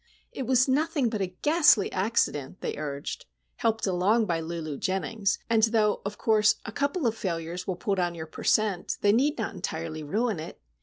"It was nothing but a ghastly accident," they urged, "helped along by Lulu Jennings; and, though, of course, a couple of failures will pull down your per cent., they need not entirely ruin it.